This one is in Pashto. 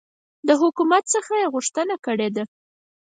د حکومت څخه یي غوښتنه کړې ده